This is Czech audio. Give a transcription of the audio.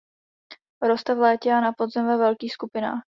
Roste v létě a na podzim ve velkých skupinách.